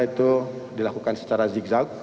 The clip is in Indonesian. hari keempat ini dilakukan pencarian menggunakan bot